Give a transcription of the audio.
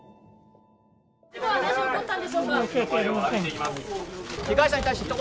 事故はなぜ起こったんでしょうか。